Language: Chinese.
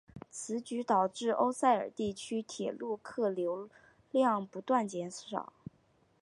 此举导致欧塞尔地区铁路客流量不断减少。